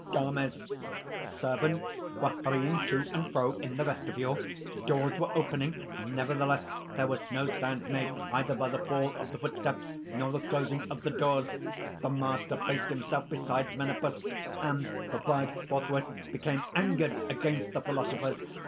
DAMIS. "Servants were hurrying to and fro in the vestibule; doors were opening; nevertheless there was no sound made either by the fall of the footsteps nor the closing of the doors. The Master placed himself beside Menippus. And the bride forthwith became angered against the philosophers.